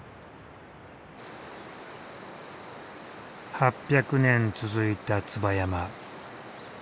８００年続いた椿山。